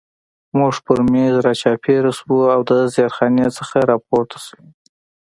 موږ پر مېز را چاپېر شو او د زیرخانې څخه را پورته شوي.